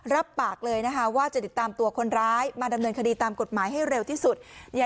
รับปากเลยนะคะว่าจะติดตามตัวคนร้ายมาดำเนินคดีตามกฎหมายให้เร็วที่สุด